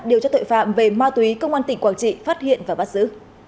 điều tra tội phạm về ma túy công an tỉnh quảng trị phát hiện và bắt giữ